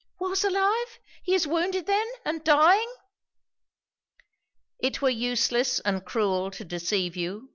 'Was alive! He is wounded then and dying!' 'It were useless and cruel to deceive you.